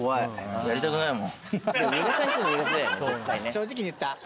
正直に言った。